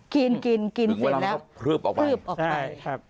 กินกินกินเสร็จแล้วเพิ่มเวลาเขาพื้นออกไปพื้นออกไปใช่ครับ